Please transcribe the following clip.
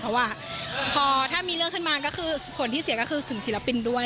เพราะว่าพอถ้ามีเรื่องขึ้นมาก็คือผลที่เสียก็คือถึงศิลปินด้วย